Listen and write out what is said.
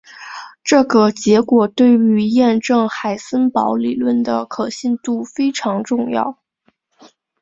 这个结果对于验证海森堡理论的可信度非常重要。